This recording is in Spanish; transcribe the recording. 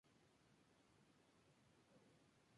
Se trata de una pieza persa-sasánida anterior al Islam.